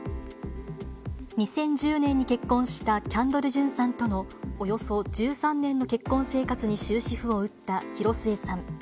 ２０１０年に結婚したキャンドル・ジュンさんとの、およそ１３年の結婚生活に終止符を打った広末さん。